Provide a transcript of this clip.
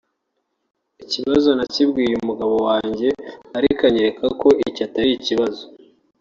Ikibazo nakibwiye umugabo wanjye ariko anyereka ko icyo atari ikibazo